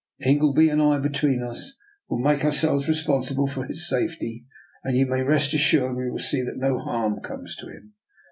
Ingleby and I, between us, will make ourselves responsible for his safety, and you may rest assured we will see that no harm comes to him.